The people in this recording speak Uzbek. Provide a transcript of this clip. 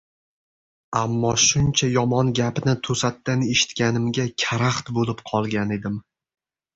Ammo shuncha yomon gapni to‘satdan eshitganimga karaxt bo‘lib qolgan edim.